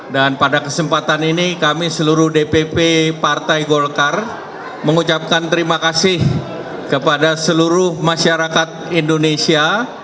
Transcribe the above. dan pada kesempatan ini kami seluruh dpp partai golkar mengucapkan terima kasih kepada seluruh masyarakat indonesia